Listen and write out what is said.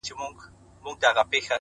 ستا سترگي دي ـ